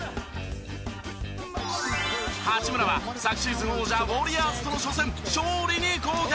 八村は昨シーズン王者ウォリアーズとの初戦勝利に貢献！